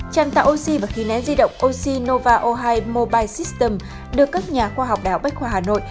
trạm tạo oxy và khi nén di động oxy nova o hai mobile system được các nhà khoa học đảo bách khoa hà nội